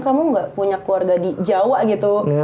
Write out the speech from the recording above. kamu gak punya keluarga di jawa gitu